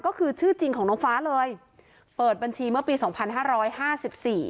ก็คือชื่อจริงของน้องฟ้าเลยเปิดบัญชีเมื่อปีสองพันห้าร้อยห้าสิบสี่